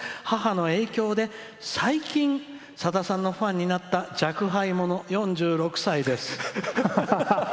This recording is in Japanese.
母の影響で最近、さださんのファンになった若輩者４６歳です」。